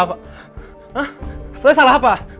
hah saya salah apa